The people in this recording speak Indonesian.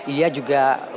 ia juga mengambil